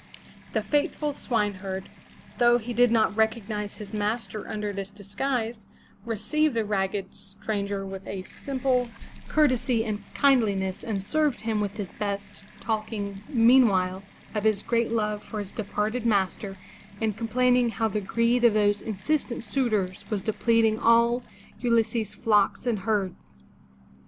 The faithful swineherd, though he did not recognize his master under this disguise, received the ragged stranger with a simple 431 MY BOOK HOUSE courtesy and kindliness, and served him with his best, talking, meanwhile, of his great love for his departed master, and com plaining how the greed of those insistent suitors was depleting all Ulysses' flocks and herds.